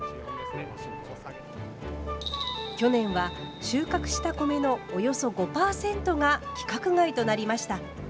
去年は収穫した米のおよそ５パーセントが規格外となりました。